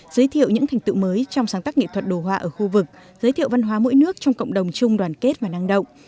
giới thiệu những thành tựu mới trong sáng tác nghệ thuật đồ họa ở khu vực giới thiệu văn hóa mỗi nước trong cộng đồng chung đoàn kết và năng động